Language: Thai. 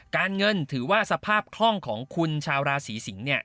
การเงินถือว่าสภาพห้องของคุณชาวราษีสิงห์เนี่ย